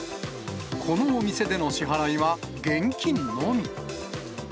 このお店での支払いは現金のみ。